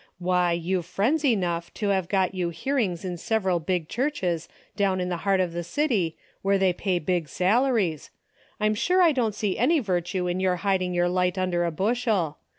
Why, you've friends enough to have got you hearings in several big churches down in the heart of the city where they pay big salaries. I'm sure I don't see any virtue in your hiding your light under a bushel.